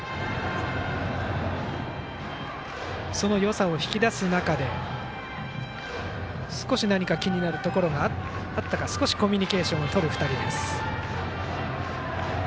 そのよさを引き出す中で少し、何か気になるところがあったか少しコミュニケーションをとる２人です。